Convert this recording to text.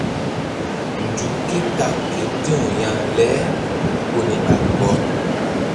Nzuk ké ta ke ti̧w ya le ku koni ɓa kɔk.